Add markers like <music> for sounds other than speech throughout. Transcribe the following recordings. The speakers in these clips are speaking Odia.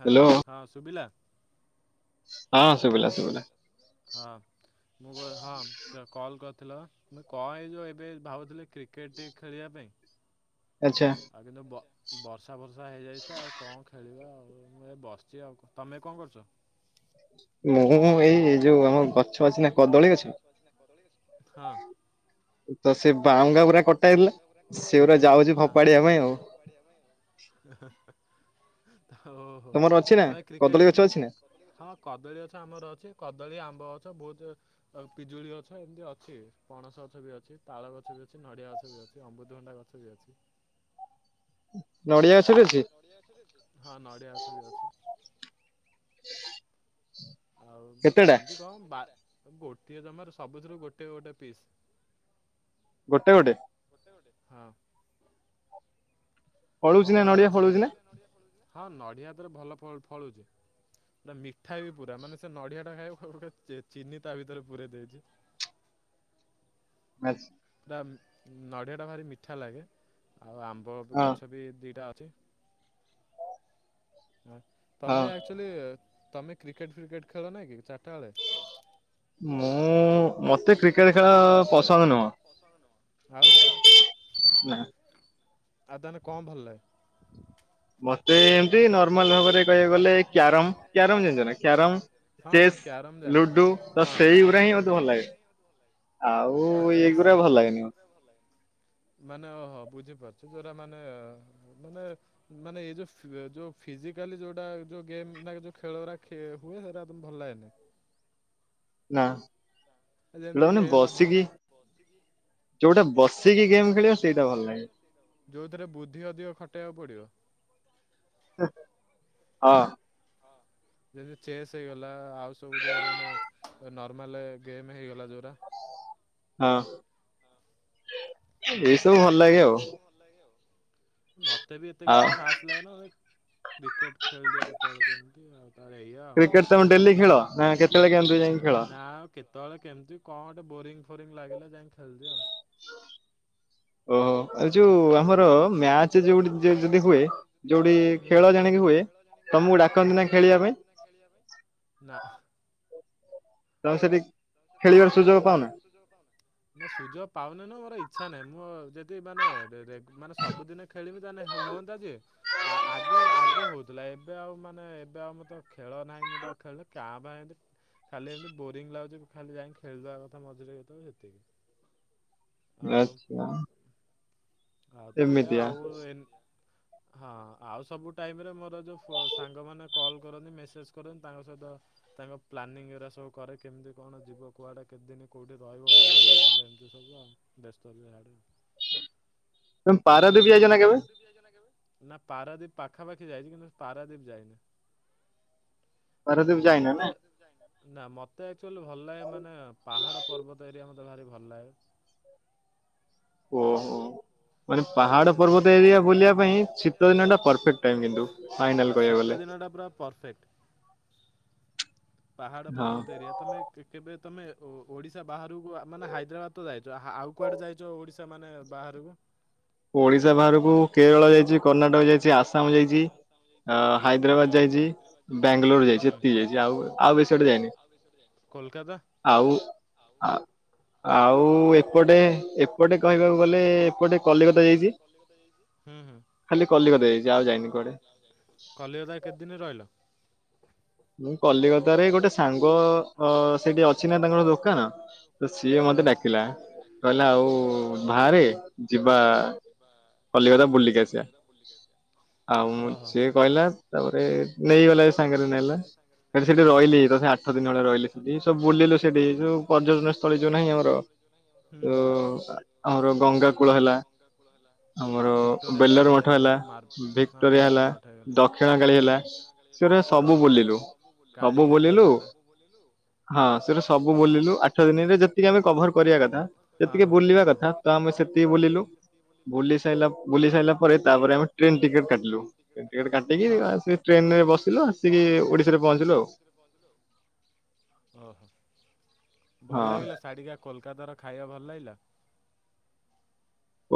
ହ୍ୟାଲୋ, ହଁ ସୁବିଲା? ହଁ ମୁ ହଁ କଲ୍ କର ଥିଲ ତ କଣ ଏଇ ଯୋଉ ଏବେ ଭାବୁଥିଲି କ୍ରିକେଟ ଟିକିଏ ଖେଳିବା ପାଇଁ। ଆଗେ ତ ବ ବସ୍ ବର୍ଷା ହେଇଯାଇଛି ତ ଆଉ କଣ ଖେଳିବା ଆଉ। ମୁଁ ଏ ବସିଛି ଆଉ, ତମେ କଣ କରୁଛ? ମୁଁ ଏଇ ଯୋଉ ଆମ ଗଛ ଅଛି ନା କଦଳୀ ଗଛ ହଁ। ତ ସେ ବାଉଙ୍ଗାଁ ଗୁରା କଟା ହେଇଥିଲା ସେଗୁଡା ଯାଉଛି ଫୋପାଡିବା ପାଇଁ ଆଉ। ଓହୋ ତ ଏ କ୍ରିକେଟ ହଁ କଦଳୀ ଅଛ ଆମର ଅଛି କଦଳୀ ଆମ୍ବ ଗଛ ବହୁତ ପିଜୁଳି ଗଛ ଏମିତି ଅଛି ପଣସ ଗଛ ବି ଅଛି ତାଳ ଗଛ ବି ଅ ଅ ନଡିଆ ଗଛ ବି ଅମୃତଭଣ୍ଡା। ଅଛି। ନଡ଼ିଆ ହଁ ନଡ଼ିଆ ଗଛ ବି ଅଛି। <unintelligible> ଆଉ ସେମିତି କଣ ବା ଗୋଟିଏ ଜମାରୁ ସବୁଥିରୁ ଗୋଟେ ଗୋଟେ ପିସ୍। ଗୋଟେ ଗୋଟେ। ହଁ। <inaudible> କମଳା ଗଛ ବି ଗୋଟେ ହଁ ନଡିଆ ଏଥିରେ ଭଲ ଫଳ। ଫଳୁଛି ନା ମିଠା ବି ପୁରା ମାନେ ସେ ନଡିଆ ଟା ଖାଇବା ଗଟ ଚିନି ତା ଭିତରେ ପୁରେଇ ଦେଇଛି। ଆଛା। ପା ନଡିଆ ଟା ଭାରି ମିଠା ଲାଗେ। ଆଉ ଆମ୍ବ ଗଛ ବି ଦିଟା। ଅଛି। ତମେ ଆକ୍ଚୁଲି। ତମେ କ୍ରିକେଟ ଫ୍ରିକେଟ ଖେଳ ନାଇକି। ମୁଁ। ମତେ କ୍ରିକେଟ। କ୍ରିକେଟ ଖେଳ ପସନ୍ଦ ନୁହଁ ନା। ଆଉ ତହେଲେ କଣ ଭଲ ଲାଗେ। ମତେ ଏମତି ନ। ମଲ୍ ଭାବରେ କହିବାକୁ ଗଲେ କ୍ୟାରମ କ୍ୟାରମ ଜାଣିଛ ନା କ୍ୟାରମ, ଚେସ୍, ଲୁଡୁ ତ ସେଇଗୁଡା ହିଁ ମୋତେ ଭଲ ଲାଗେ। <unintelligible> ଆଉ ଏଇଗୁରା ଭଲ ଲାଗେନି। ମାନେ ଓହୋ ବୁଝିପାରୁଛ ଯୋଉଟା ମାନେ ମାନେ ମାନେ ଏଇ ଯୋଉ ଯୋଉ ଫିଜିକାଲୀ ଯୋଉଟା ଯୋଉ ଗେମ ଯୋଉ ଖେଳ ଗୁଡ଼ ହୁଏ ସେଇଗୁଡ଼ା ଭଲ ଲାଗେନା। ନା। ଯେମିତିକ ହେଇଗଲା ଭଲି। ଯୋଉଟା ବସ। ଯୋଉଥିରେ ବୁଦ୍ଧି ଅଧିକ ଖଟେଇବାକୁ ପଡିବ। ହଁ। ଯେଦି ଚେସ୍ ହେଇଗଲା। ଆଉ ସବୁ ଯୋଉ ମାନେ ନ ତୁମାଲେ ଗେମ୍ ହେଇଗଲା ଯୋଉରା। ଅଁ <inaudible> <inaudible> ଏଇସବୁ ଭଲ ଲାଗେ ଆଉ। ମତେ ବି ଏତେ କିଛି ଖାସ୍ ଲାଗେନା କ୍ରିକେଟ ଖେଳି ଦିଏ କେତେବେଳେ କେମିତି ଏୟା ଆଉ। କ୍ରିକେଟ କଣ ଡ଼େଲି ଖେଳ? ନା ମ କେତ୍ ତଳେ କେମ୍‌ତି କଁ ଅଟେ ବୋରିଙ୍ଗ ଫୋରିଙ୍ଗ ଲାଗିଲା ଯାଇଁକ୍ ଖେଳି ଦିଏ ଆଉ। ଓହୋ ଏ ଯୋଉ ଆମର ମ୍ୟାଚ଼େ ଯେଉଠି ଯ ଯଦି ହୁଏ ଯୋଉଠି ଖେଳ ଜାଣିକି ହୁଏ ତମକୁ ଡାକନ୍ତି ନା ଖେଳିବା ପାଇଁ? ତ ସେଠିକ୍ ତମେ ସେଠିକ୍ ଖେଳିଆର ସୁଯୋଗ ପାଅନା? ନା ସୁଯୋଗ ପାଉନା ନା ନୁହେଁ ମୋର ଇଚ୍ଛା ନାହିଁ ମୁଁ ଯ ଦି ମାନେ ରେ ରେ ମାନେ ସବୁଦିନେ ଖେଳିବି ତାନେ ହୁଅନ୍ତା ଯେ ଆ ଆଗେ ଆଗେ ହଉଥୁଲା ଏବେ ଆଉ ମାନେ ଏବେ ଆଉ ମୁଁ ତ ଖେଳ ନାହିଁ। ମୁଁ ତ ଆଉ ଖେଳୁନି। କାଁ ଭାଁ ଏମତି ଖାଲି ଏମତି ବୋରିଙ୍ଗ ଲାଗୁଚ଼ି ଖାଲି ଯାଇଁକି ଖେଳିଦବା କଥା ମଝିରେ କେତେବେଳେ ସେତିକି। ୟାଚ୍ଛା। ଆ ତ ଏୟା ଆଉ ଏମ୍ ହଁ ଆଉ ସବୁ ଟାଇମ ରେ ମୋର ଯୋଉ ଫୁଅ ସାଙ୍ଗମାନେ କଲ୍ କରନ୍ତି ମେସେଜ୍ କରନ୍ତି ତାଙ୍କ ସହିତ ତାଙ୍କ ପ୍ଲାନିଂ ଏରା ସବୁ କରେ କେମିତି କଣ ଯିବ କୁଆଡେ କେତେ ଦିନ କୋଉଠି ରହିବ ହୋଟେଲ୍ ଫୋଟେଲ୍ ଏମିତି ସବୁ ଆଉ ବ୍ୟସ୍ତ ରୁହେ ଆଡ଼େ। ତମ୍ ପାରାଦୀପ୍ ଯାଇଚ ନା କେବେ? ନା ପାରାଦୀପ୍ ପାଖାପାଖି ଯାଇଚ଼ି କିନ୍ତୁ ପାରାଦୀପ୍ ଯାଇନି। ମତେ ନା ମତେ ଆକଚୁଆଲି ଭଲ ଲାଗେ ମାନେ ପାହାଡ ପର୍ବତ ଏରିଆ ମତ୍ ତ ଭାରି ଭଲ ଲାଗେ। ଓହୋ। ମାନେ ପାହାଡ ପର୍ବତ ଏରିଆ ବୁଲିବା ପାଇଁ ଶୀତ ଦିନ ଟା ପରଫେକ୍ଟ ଟାଇମ୍ କିନ୍ତୁ ଫାଇନାଲ କହିବାକୁ ଗଲେ। ପାହାଡ ପର୍ବତ ଏରିଆ ତମେ କେ କେବେ? ତମେ ଓ ଓଡିଶା ବାହାରୁକୁ ଆ ମାନେ ହାଇଦ୍ରାବାଦ ତ ଯାଇଚ ହା ଆଉ କୁଆଡେ ଯାଇଚ ଓଡିଶା ମାନେ ବାହାରୁକୁ? ଓଡ଼ିଶା ବାହାରୁକୁ କେରଳ ଯାଇଚ଼ି କର୍ଣ୍ଣାଟକ ଯାଇଚ଼ି ଆସାମ ଯାଇଚ଼ି ଆ ହାଇଦ୍ରାବାଦ ଯାଇଚ଼ି ବ୍ୟାଙ୍ଗଲୋର ଯାଇଚ଼ି ଏତିକି ଯାଇଚ଼ି ଆଉ ଆଉ ବେଶୀଆଟ ଯାଇନି। ଆଉ ଆ ଆଉ ଏପଟେ ଏପଟେ କହିବାକୁ ଗଲେ ଏପଟେ ଏ ଏପଟେ କଲିକତା ଯାଇଚ଼ି ହୁଁ ହୁଁ ଖାଲି କଲିକତା ଯାଇଚ଼ି ଆଉ ଯାଇନି। କଲିକତା ରେ କେତେ ଦିନି ରହିଲ? ତରେ ଗୋଟେ ସାଙ୍ଗ ଅ ସେଠି ଅଛି ନା ତାଙ୍କର ଦୋକାନ ତ ସିଏ ମତେ ଡାକିଲା କହିଲା ଆଉ ବାହାରେ ଯିବା କଲିକତା। ବୁଲିକି ଆସିଆ ଆଉ ମୁଁ ସିଏ କହିଲା ତାପରେ ନେଇଗଲା ସାଙ୍ଗରେ ନେଲା। ଗଲି ସେଠି ରହିଲି ଦଶ ଆଠ ଦିନ ଖଣ୍ଡେ ରହିଲି। ସେଠି ସବୁ ବୁଲିଲୁ ସେଠି ଯୋଉ ପର୍ଯ୍ୟଟନ ସ୍ଥଳୀ ଯୋଉ ନାହିଁ ଆମର ଓ ଆମର ଗଙ୍ଗା କୂଳ ହେଲା ଆମର ବେଲର ମଠ ହେଲା, ଭିକ୍ଟୋରିଆ ହେଲା, ଦକ୍ଷିଣ କାଳୀ ହେଲା, ସେଗୁରା ସବୁ ବୁଲିଲୁ। ସବୁ ବୁଲିଲୁ। ହଁ ସେଟା ସବୁ ବୁଲିଲୁ। ଆଠ ଦିନରେ ଯେତିକି ଆମେ କଭର କରିବା କଥା ଯେତିକି ବୁଲିବା କଥା ତ ଆମେ ସେତିକି ବୁଲିଲୁ। ବୁଲି ସାଇଲା ବୁଲି ସାଇଲା ପରେ ତାପରେ ଆମେ ଟ୍ରେନ ଟିକେଟ କାଟିଲୁ। ଟ୍ରେନ ଟିକେଟ କାଟି ଦେଇକି ଆସିକି ଟ୍ରେନରେ ବସିଲୁ ଆସିକି ଓଡ଼ିଶ ପହଞ୍ଚିଲୁ ଆଉ। ଭଲ ଲାଗିଲା ଶାଢ଼ୀ ଯାକ କୋଲକାତାର। ଖାଇବା ଭଲ ଲାଗିଲା?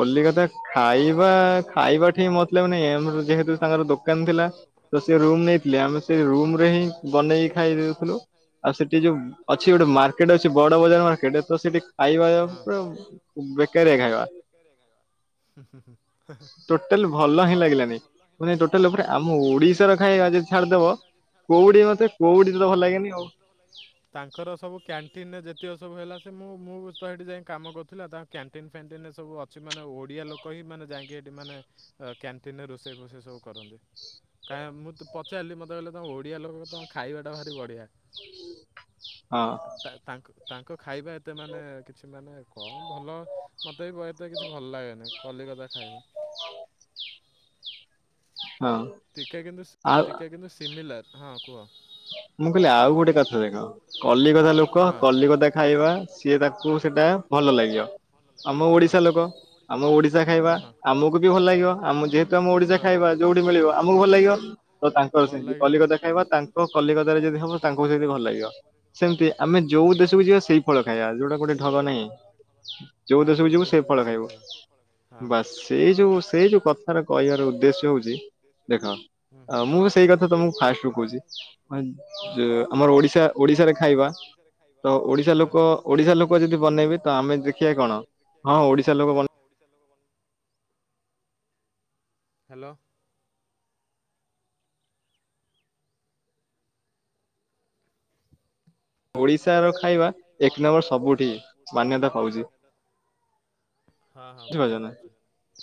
କଲିକତା ଖାଇବା ଖାଇବା ଠିକ ମଥିଲା ମାନେ ଏମର ଯେହେତୁ ତାଙ୍କର ଦୋକାନ ଥିଲା ତ ସେ ରୁମ ନେଇଥିଲେ। ଆମେ ସେ ରୁମ ରେ ହିଁ ବନେଇକି ଖାଇଦଉଥିଲୁ। ଆଉ ସେଠି ଯୋଉ ଅଛି ଗୋଟେ ମାର୍କେଟ ଅଛି ବଡ ବଜାର ମାର୍କେଟ ତ ସେଠି ଖାଇବାଯାକ ପୁରା ବେକାରିଆ ଖାଇବା। ଟୋଟାଲ ଭଲ ହିଁ ଲାଗିଲାନି। ମାନେ ଟୋଟାଲ ଉପରେ ଆମ ଓଡିଶାର ଖାଇବା ଯଦି ଛାଡିଦବ କୋଉଡି ମତେ କୋଉଡି ତ ଭଲ ଲାଗନି ଆଉ। ଯେତିକ ସବୁ ହେଲା ସେ ମୁଁ ମୁଁ ସେଇଠି ଯାଇ କାମ କରୁଥିଲା ତାଙ୍କ କ୍ୟାଣ୍ଟିନ ପ୍ୟାଣ୍ଟିନ ରେ ସବୁ ଅଛି ମାନେଓ ଓଡ଼ିଆ ଲୋକ ହିଁ ମାନେ ଯାଇକି ଏଇଠି ମାନେ କ୍ୟାଣ୍ଟିନ୍ରେ ରୋଷେଇ ଫୋଷେଇ ସବୁ କରନ୍ତି। କାହିଁ ମୁଁ ତ ପଚାରିଲି ମୋତେ କହିଲେ ତ ଓଡ଼ିଆ ଲୋକ ତ ଖାଇବାଟା ଭାରି ବଢ଼ିଆ। ତା ତାଙ୍କୁ ତାଙ୍କ ଖାଇବା ଏତେ ମାନେ କିଛି ମାନେ କମ ଭଲ ମ ଏତ ବ ଏତେ କିଛି ଭଲ ଲାଗେନି। କଲିକତା ଖାଇବା। ଟିକେ କିନ୍ତୁ ଟିକେ କିନ୍ତୁ ସିମିଲାର। ହଁ। ମୁଁ କହିଲି ଆଉ ଗୋଟେ କଥା ଦେଖ କଲିକଦା ଲୋକ କଲିକଦା ଖାଇବା ସିଏ ତାକୁ ସେଇଟା ଭଲ ଲାଗିବ। ଆମ ଓଡିଶା ଲୋକ ଆମ ଓଡିଶା ଖାଇବା ଆମକୁ ବି ଭଲ ଲାଗିବ ଆମ ଯେହେତୁ ଆମ ଓଡିଶା ଖାଇବା ଯୋଉଠି ମିଳିବ ଆମକୁ ଭଲ ଲାଗିବ ତ ତାଙ୍କର ସେମିତି କଲିକତା ଖାଇବା ତାଙ୍କ କଲିକତାରେ ଯଦି ହବ ତାଙ୍କୁ ସେଇତି ଭଲ ଲାଗିବ। ସେମିତି ଆମେ ଯୋଉ ଦେଶକୁ ଯିବା ସେଇ ଫଳ ଖାଇବା ଯୋଉଟା ଗୋଟେ ଢଗ ନାହିଁ। ଯୋଉ ଦେଶକୁ ଯିବୁ ସେ ଫଳ ଖାଇବୁ ବାସ୍ ସେଇ ଯୋଉ ସେଇ ଯୋଉ କଥାର କହିବାର ଉଦ୍ଦେଶ୍ୟ ହଉଛି ଦେଖ ମୁଁ ବି ସେଇ କଥା ତମକୁ ଫାଷ୍ଟରୁୁ କହୁଛି। ଆମର ଓଡିଶା ଓଡିଶାରେ ଖାଇବା ତ ଓଡିଶା ଲୋକ ଓଡିଶା ଲୋକ ଯଦି ବନେଇବେ ତ ଆମେ ଦେଖିବା ହଁ ଓଡିଶା ଲୋକ ବନ ହ୍ୟାଲୋ। ଓଡିଶାର ଖାଇବା ଏକ ନମ୍ବର ସବୁଠି ମାନ୍ୟତା ପାଉଛି। ବୁଝିପାରୁଛ ନା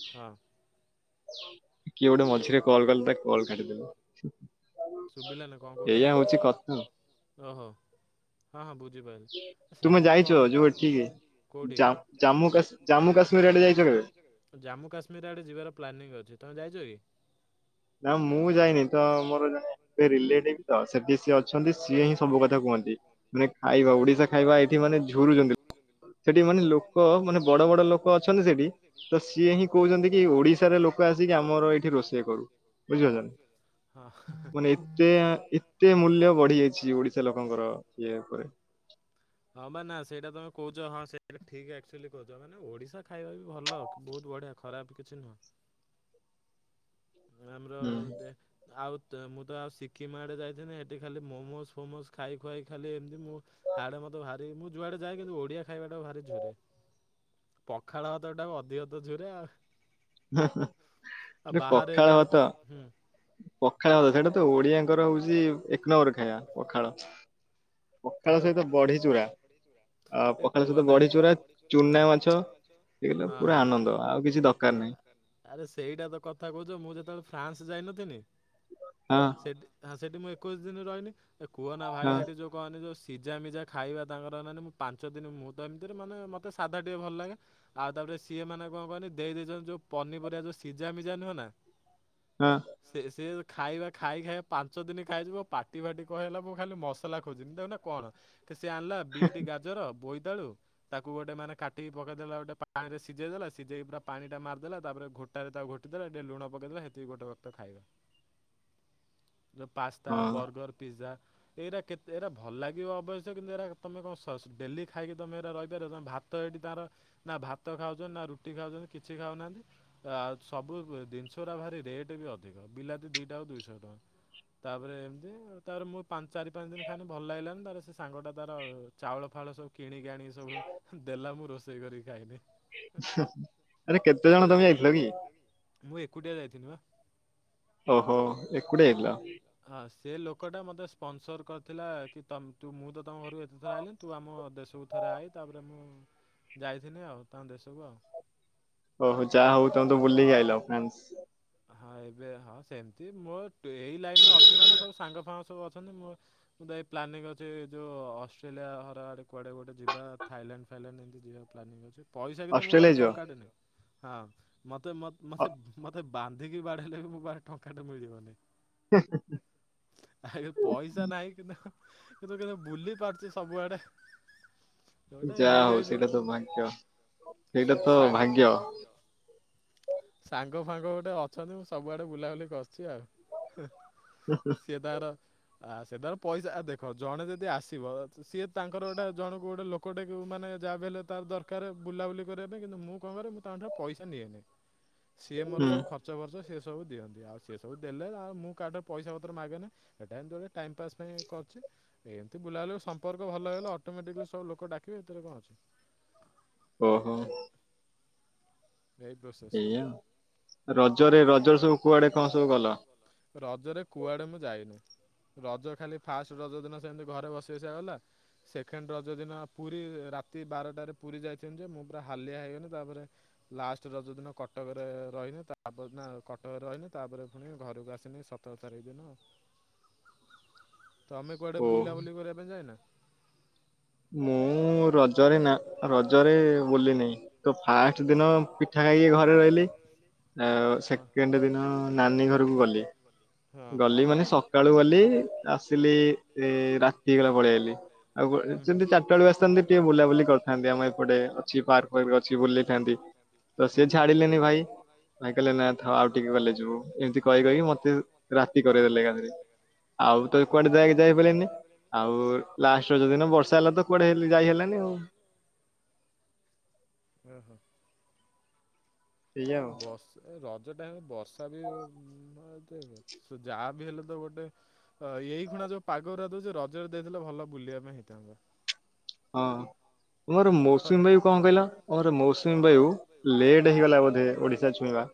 ହଁ <unintelligible> କିଏ ଗୋଟେ ମଝିରେ କଲ କଲେ ତା କଲ କାଟିଦବ। ଏଇଆ ହଉଛି କଥା ତୁମେ ଯାଇଛ ଯଉ ଏଠିକି ଜାମ୍ମୁ କାଶ୍ମୀର ଆଡେ ଯାଇଛ କେବେ? ପ୍ଲାନିଂ ଅଛି ତୁମେ ଯାଇଛ କି? ନା ମୁଁ ଯାଇନି ତ ମୋର ଜଣେ ରିଲେଟିଭ ତ ସେଠି ସିଏ ଅଛନ୍ତି ସିଏ ହିଁ ସବୁ କଥା କୁହନ୍ତି ମାନେ ଖାଇବା ଓଡିଶା ଖାଇବା ଏଇଠି ମାନେ ଝୁରୁଛନ୍ତି। ସେଠି ମାନେ ଲୋକ ମାନେ ବଡ ବଡ ଲୋକ ଅଛନ୍ତି ସେଠି ତ ସିଏ ହିଁ କହୁଛନ୍ତି କି ଓଡିଶାରେ ଲୋକ ଆସିକି ଆମର ରୋଷେଇ କରୁ ବୁଝିଲୁନା ମାନେ ଏତେ ଏତେ ମୂଲ୍ୟ ବଢି ଯାଇଛି ଓଡିଶା ଲୋକଙ୍କର ଇଏ ଉପରେ ହଁ ବା ନା ସେଇଟା ତମେ କହୁଛ ହଁ ସେଇଟା ଠିକ୍ଆକ୍ଚୁଆଲି କହୁଛ ମାନେ ଓଡିଶା ଖାଇବା ବି ଭଲ ବହୁତ ବଢିଆ ଖରାପ କିଛି ନୁହଁ ଆମର ଦେ ଧାଉ ତ ମୁଁ ତ ଆଉ ସିକିମ ଆଡେ ଯାଇଥିଲିନି ସେଠି ଖାଲି ମୋମୋସ ଫୋମୋସ ଖାଇ ଖୁଆଇ ଖାଲି ମୁଁ ହାଡେ ମୋ ଭା ମୁଁ ଯୁଆଡେ ଯାଏ କିନ୍ତୁ ଓଡିଆ ଖାଇବାଟାକୁ ଭାରି ଝୁରେ ପଖାଳ ଭାତ ତାକୁ ଅଧିକ ତ ଝୁରେ ଆଉ। ଆ ହଁ। ପଖାଳ ଭାତ ପଖାଳ ଭାତ ସେଇଟା ତ ଓଡିଆଙ୍କର ହଉଛି। ଏକନୁମ୍ବ ଖାଇବା ପଖାଳ ପଖାଳ ସହିତ ବଢି ଚୁରା ଆ ପଖାଳ ସହିତ ବଢି ଚୁରା ଚୁନା ମାଛ ହେଇଗଲେ ପୁରା ଆନନ୍ଦ ଆଉ କିଛି ଦରକାର ନାହିଁ। ଆରେ ସେଇଟା ତ କଥା କହୁଛ ମୁଁ ଯେତେବେଳେ ଫ୍ରାନ୍ସ ଯାଇନଥିଲିନି ସେଠ ହଁ ସେଠି ମୁଁ ଏ କୁସ୍ ଦିନ ରହିନି ଏ କୁହ ନା ଭାଇ ସେଇଠି ଯୋଉ ଯୋଉ ସିଝାମିଜା ଖାଇବା ତାଙ୍କର ଅନାନୀ ପାଞ୍ଚ ଦିନ ମୁଁ ତ ଏମିତିରେ ମାନେ ମତେ ସାଧା ଟିକେ ଭଲ ଲାଗେ ଆଉ ତାପରେ ସିଏ ମାନେ କଣ କନି ଦେଇ ଦେଇଛନ୍ତି ଯୋଉ ପନିପରିବା ଯୋଉ ସିଝାମିଜା ନୁହେ ନା ସେ ସେ ଖାଇବା ଖାଇ ଖାଇ ପାଞ୍ଚ ଦିନ ଖାଇଚି ମୋ ପାଟି ଫାଟି କଣ ହେଇଗଲା ମୁ ଖାଲି ମସଲା ଖ ଖୋଜିନି ତା ମାନେ କଣ? ସେ ଆଣିଲା ବିିଟ ଗାଜର ବୋଇ ଇତାକୁ ଗୋଟେ ମାନେ କାଟିକି ପକେଇଦଲା ଗୋଟେ ପାଣିରେ ସିଝେଇ ଦେଲା ସିଝେଇକି ପୁରା ପାଣି ଟା ମାରିଦେଲା ତାପରେ ଘୋଟାରେ ତାକୁ ଘୋଟି ଦେଲା ଟ ଲୁଣ ପକେଇଦଲା ସେଥିି ଗୋଟେ ବକ୍ତ ଖାଇବା। ଯଉ ପାସ୍ତା ବର୍ଗର ପିଜା ଏଇଟା କେତେ ଏରା ଭଲ ଲାଗିବ ଅବଶ୍ୟ କିନ୍ତୁ ଏଗରା ତମେ କଣ ସ ଡେଲି ଖାଇକୀ ଏଗାର ରହିପାରିବ ତମେ ଭାତ ଏଇଠି ତାଙ୍କର ନା ଭାତ ଖାଉଛନ୍ତି ନା ରୁଟି ଖାଉଛନ୍ତି କିଛି ଖାଉନତି ଆ ସବୁ ଦିଂଶ ଗୁଡାକ ରେଟ୍ ବି ଅଧିକ ବିଲାତି ଦିଟା କୁ ଦୁଇଶହ ତାପରେ ତାପରେ ମୁଁ ପାଞ୍ଚ ଚାରୀ ଏ ଭଲ ଲାଗିଲାନି ତାର ସ ସାଙ୍ଗ ଟା ତାର ଚାଉଳ ଫଳସବୁ କ କିଣିିକି ଆଣି ସବୁ ଦେଲା ମୁଁ ରୋଷେଇ ସେଇ କରିକି ଖାଇଲେ ହିଁ ଆରେ କେତେ ଜଣ ତମେ ଯାଇଥିଲ କି? ଏକୁଟିଆ ଯାଇଥିଲୁ ବା ଓହୋ ଏକୁଟିଆ ଯାଇଥିଲ। ସେ ଲୋକଟା ମତେ ସ୍ପନ୍ସର୍ କରି ଥିଲା କି ମୁଁ ତ ତମ ଘରୁ ଏତେ ଥର ଆଇଲିି ତୁ ଆମ ଦେଶକୁ ଥରେ ଆଇ ତାପରେ ମୁଁ ଯାଇଥିନି ଆଉ ତାଙ୍କ ଦେଶକୁ ଆଉ। ଓହୋ ଯାହା ହଉ ତମେ ତ ବୁଲି ଆଇଲ ଫନ୍ସ ହଁ ଏବେ ହଁ ସେମିତି ମୋ ଏଇ ଲାଇନ ରେ ଅଛି ମାନେ ସବୁ ସାଙ୍ଗ ଫାଙ୍ଗ ସବୁ ଅଛନ୍ତି ମୁଁ ମୁଁ ପ୍ରାଇ ପ୍ଲାନିଂ ଅଛି ଯେଉଁ ଅଷ୍ଟ୍ରେଲିଆ ହରଡ଼େ କୁଆଡ଼େ କୁଆଡେ ଗୋଟେ ଯିବା ଥାଇଲାଣ୍ଡ ଫାଇଲାଣ୍ଡ ଏମିତି ଯିବା ପ୍ଲାନିଂ ଅଛି। ପଇସା କିନ୍ତୁ ମୋ ପାାରେ ଟଙ୍କାଟେ ନାହିଁ। ହଁ ମୋତେ ମେ ମତେ ମୋତେ ବା ନ୍ଧିକି ବାଡେଇଲେ ବି ମୋ ପାଖରେ ଟଙ୍କାଟେ ମିଳିବନି। ଆ ପଇସା ନାଇଁ ଏ ତୁ କେ ଭୁଲି ପାରୁଚ ସବୁଆଡେ ଯାହା ହଉ ସେଇଟା ତ ଭାଗ୍ୟ ସେଇଟା ତ ଭାଗ୍ୟ। ସାଙ୍ଗ ଫାଙ୍ଗ ଗୋଟେ ଅଛନ୍ତି ମୁଁ ସବୁଆଡେ ବୁଲାବୁଲି କରୁଛି ଆଉ। ସେ ତାର ଆ ସେଠାର ପଇସା ଦେଖ ଜଣେ ଯଦି ଆସିବ ସିଏ ତାଙ୍କର ଗୋଟେ ଜଣକୁ ଗୋଟେ ଲୋକଟେ ମାନେ ଯାହା ବି ହେଲେ ତାର ଦରକାର ବୁଲାବୁଲି କରିବା ପାଇଁ କିନ୍ତୁ ମୁଁ କଣ କରେ ମୁଁ ତାଙ୍କଠାରୁ ପଇସା ନିଏନି ସିଏ ମୋର ସବୁ ଖର୍ଚ୍ଚ ବର୍ଚ ସେ ସବୁ ଦିଅନ୍ତି ଆଉ ସେ ସବୁ ଦେଲେ ଆଉ ମୁଁ କାହାଠୁ ପଇସା ପତ୍ର ମାଗେ ନା ଏଟା ଏମତି ଗୋଟେ ଟାଇମ ପାସ୍ ପାଇଁ କରିଛି ଏମିତି ବୁଲାବୁଲି ସମ୍ପର୍କ ଭଲ ହେଇଗଲା ଅଟୋମେଟିକଲି ସବ ଲୋକ ଡାକିବେ ଏଥିରେ କଣ ଅଛି। ଏଇଆ ରଜରେ ରଜରେ ସବୁ କୁଆଡେ କଣ ସବୁ ଗଲ। ରଜରେ କୁଆଡେ ମୁଁ ଯାଇନି ରଜ ଖାଲି ଫାଷ୍ଟ ରଜ ଦିନ ସେମିତି ଘରେ ବସି ବସିକା ଗଲା ସେକେଣ୍ଡ ରଜ ଦିନ ପୁରୀ ରାତି ବାରଟାରେ ପୁରୀ ଯାଇଥିଲୁ ଯେ ମୁଁ ପୁରା ହାଲିଆ ହେଇଗନି ତାପରେ ଲାଷ୍ଟ ରଜ ଦିନ କଟକରେ ରହିଲି ତାପରେ ନା କଟକରେ ରହିନି ତାପରେ ପୁଣି ଘରକୁ ଆସିନି ସତର ତାରିଖ ଦିନ ତମେ କୁଆଡେ ବୁଲାବୁଲି କରିବା ପାଇଁ ଯାଇନା। ମୁଁ ର ରଜରେ ନା ରଜରେ ବୁଲିନାଇ ତ ଫାଷ୍ଟ ଦିନ ପିଠା ଖାଇକି ଘରେ ରହିଲି ଆଉ ସେକେଣ୍ଡ ଦିନ ନାନୀ ଘରକୁ ଗଲି ଗଲି ମାନେ ସକାଳୁ ଗଲି ଆସିଲି ରାତିହେଇଗଲା ପଳେଇଆଇଲି ଆଉ ଯେମିତି ଚାରଟା ବେଳୁ ଆସିଥାନ୍ତି ଟିକେ ବୁଲାବୁଲି କରିଥାନ୍ତି ଆମ ଏପଟେ ଅଛି ପାର୍କ ଫାର୍କ ଅଛି ବୁଲି ତ ସେ ଛାଡିଲେନି ଭାଇ ଭାଇ କହିଲେ ନା ଥାଉ ଆଉ ଟିକେ ଗଲେ ଯିବୁ ଏମତି କହି କହିକି ମତେ ରାତି କରେଇଦେଲେ ଏକାଥରେ ଆଉ ତ କୁଆଡେ ଯାଇକି ଯାଇପାରିଲିନି ଆଉ ଲାଷ୍ଟ୍ ରଜ ଦିନ ବର୍ଷ ହେଲା ତ କୁଆଡେ ହେ ଯାଇ ହେଲାନି ଆଉ ଓ ହ। ନା ବସ୍ ଏ ର ରଜଟା ହେ ବର୍ଷା ବି <unintelligible> ଯାହା ବି ହେଲେ ତ ଗୋଟେ ଏଇ ଖୁଣା ଯୋଉ ପାଗରେ ଦଉଛି ରଜରେ ଦେଇଥିଲେ ଭଲ ବୁଲିବା ପାଇଁ ହେଇଥାନ୍ତା। ହଁ। ତମର ମୌସୁମୀ ବାୟୁ କଣ କହିଲ <unintelligible> ମୌସୁମୀ ବାୟୁ ଲେଟ୍ ହେଇଗଲା ବୋଧେ ଓଡିଶା ଛୁଇଁବା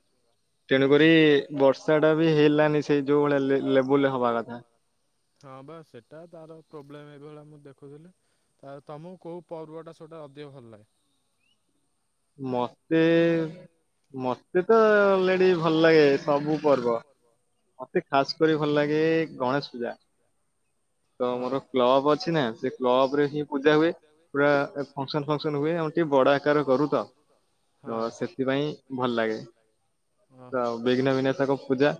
ହଁ ହୁଁ ତେଣୁକରି ବର୍ଷା ଟା ବି ହେଇଲାନି ସେଇ ଯୋଉ ଭଳିଆ ଲେ ଲେବୁଲ ହବା କଥା ହେ ହଁ ବା ସେଟା ତାର ପ୍ରୋବଲେମ୍ ଏଇଭଳିଆ ମୁଁ ଦେଖୁଥିଲି ତା ତମକୁ କୋଉ ପର୍ବ ଟା ସବୁଠାରୁ ଅଧିକ ଭଲ ଲାଗେ। ମତେ ମ ସେ ତ <unintelligible> ଭଲ ଲାଗେ ସବୁ ପର୍ବ ତେ ଖାସ କରି ଭଲ ଲାଗେ ଗଣେଶ ପୂଜା ତ ମୋର କ୍ଲବ ଅଛି ନା ସେ କ୍ଲବ ରେ ହିଁ ପୂଜା ହୁଏ ପୁରା ଫଙ୍କସନ ଫଙ୍କସନ ହୁଏ ଆମେ ଟିକେ ବଡ ଆକାର କରୁ ତ ସେଥିପାଇଁ ଭଲ ଲାଗେ ତ ବିଘ୍ନ ବିନାଶଙ୍କ ପୂଜା